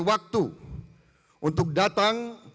waktu untuk datang